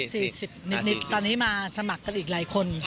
๔๐นิดตอนนี้มาสมัครกันอีกหลายคน